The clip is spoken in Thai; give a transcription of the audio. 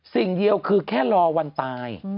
สิ่งเดียวคือแค่รอวันตาย